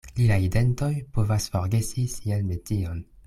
Liaj dentoj povas forgesi sian metion.